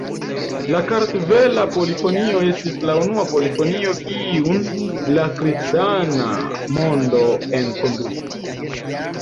La kartvela polifonio estis la unua polifonio kiun la kristana mondo enkondukis.